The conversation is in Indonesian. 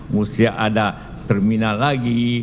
mesti ada terminal lagi